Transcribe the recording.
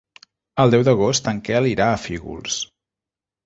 El deu d'agost en Quel irà a Fígols.